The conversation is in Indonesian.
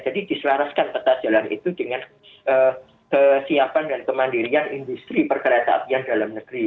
jadi diselaraskan peta jalan itu dengan kesiapan dan kemandirian industri perkeretaapian dalam negeri